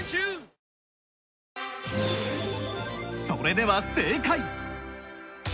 それでは正解。